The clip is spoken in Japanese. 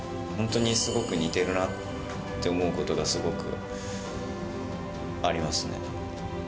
本当にすごく似てるなって思うことがすごくありますね。